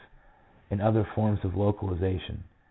72, as in other forms of localization.